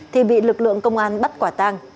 thì bị lực lượng công an bắt quả tang